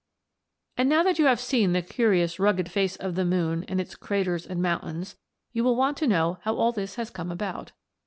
"And now that you have seen the curious rugged face of the moon and its craters and mountains, you will want to know how all this has come about.